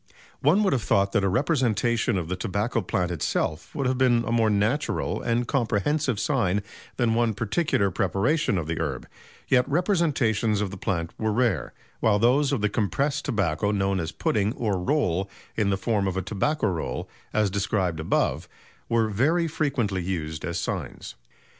One would have thought that a representation of the tobacco plant itself would have been a more natural and comprehensive sign than one particular preparation of the herb, yet representations of the plant were rare, while those of the compressed tobacco known as pudding or roll in the form of a "Tobacco Roll," as described above, were very frequently used as signs.